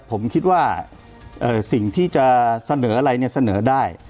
ผมคิดว่าสิ่งที่จะเสนออะไรเนี่ยเสนอได้